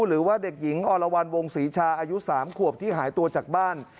หรือว่าเด็กหญิงอรวรรณวงศรีชาอายุ๓ขวบที่หายตัวจากบ้าน